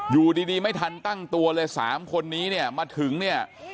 อยู่ดีไม่ทันตั้งตัวเลย๓คนนี้เนี่ยมาถึงเนี่ย